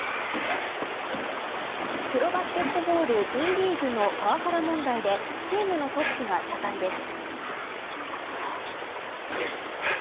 プロバスケットボールＢリーグのパワハラ問題でチームのトップが謝罪です。